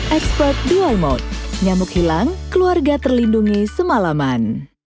expert duo mode nyamuk hilang keluarga terlindungi semalaman